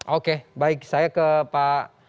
oke baik saya ke pak